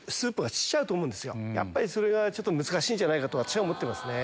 やっぱりそれがちょっと難しいんじゃないかと私は思ってますね。